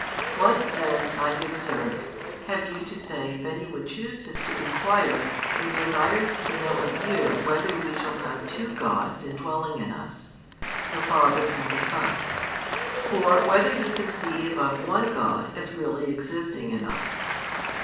What, then, my good Sirs, have you to say if any one chooses to inquire and desires to know of you whether we shall have two Gods indwelling in us, the Father and the Son, or whether you conceive of one God as really existing in us.